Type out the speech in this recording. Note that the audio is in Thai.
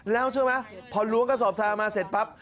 แล้วเชื่อไหมพอล้วงกระสอบซามาเสร็จปั๊บ